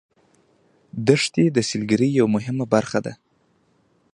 دښتې د سیلګرۍ یوه مهمه برخه ده.